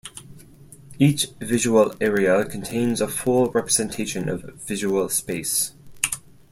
Each visual area contains a full representation of visual space.